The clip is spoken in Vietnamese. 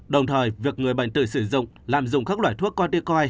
đồng thời việc người bệnh tự sử dụng làm dùng các loại thuốc corticoid